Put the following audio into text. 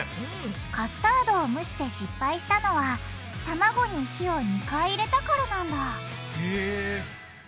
カスタードを蒸して失敗したのはたまごに火を２回入れたからなんだへぇ。